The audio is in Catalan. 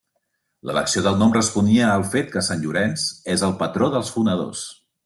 L'elecció del nom responia al fet que Sant Llorenç és el patró dels fonedors.